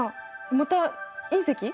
また隕石？